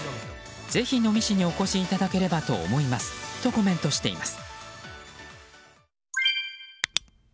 ぜひ能美市にお越しいただければと思いますとコメントしています。